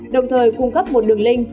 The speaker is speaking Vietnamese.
đồng thời cung cấp một đường link